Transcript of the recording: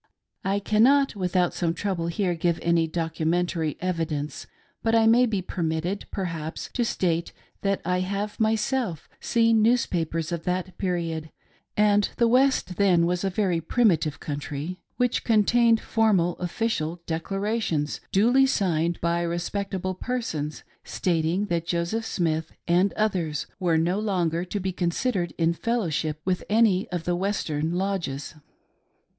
I .cannot without some trouble give here any documentary evidence, but I may be permitted, perhaps, to state that I have myself seen newspapers of that period — and the West then was a very primitive country — which contained formal official declarations duly signed by respectable persons, stating that Joseph Smith and others were no longer to be considered in fellowship with any of the Western lodges.